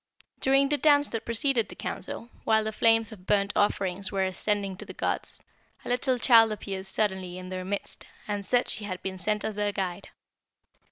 During the dance that preceded the council, while the flames of burnt offerings were ascending to the gods, a little child appeared suddenly in their midst and said she had been sent as their guide.